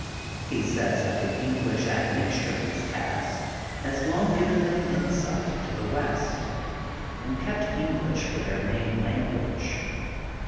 He says that the English admixture in his caste has long given them insight into the west, and kept English for their main language.